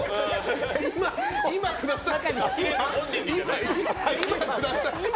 今ください！